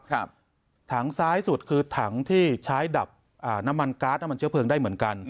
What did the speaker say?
ถังซ้ายสุดคือถังที่ใช้ดับน้ำมันการ์ดน้ำมันเชื้อเพลิงได้เหมือนกัน